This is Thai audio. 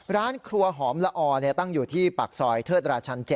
ร้านครัวหอมละออตั้งอยู่ที่ปากซอยเทิดราชัน๗